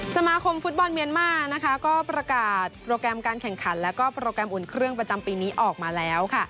สมาคมฟุตบอลเมียนมาร์นะคะก็ประกาศโปรแกรมการแข่งขันแล้วก็โปรแกรมอุ่นเครื่องประจำปีนี้ออกมาแล้วค่ะ